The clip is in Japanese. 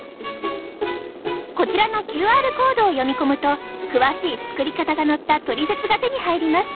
こちらのＱＲコードを読み込むと詳しい作り方が載ったトリセツが手に入ります。